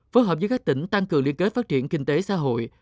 phối hợp với các tỉnh tăng cường liên kết phát triển kinh tế xã hội